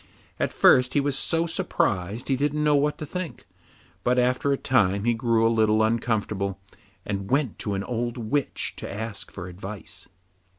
At first he was so surprised he didn't know what to think, but after a time he grew a little uncomfortable, and went to an old witch to ask for advice.